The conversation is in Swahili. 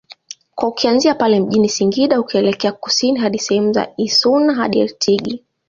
kwa ukianzia pale mjini Singida ukielekea Kusini hadi sehemu za Issuna hadi Itigi